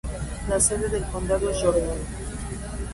La sede del condado es Jordan.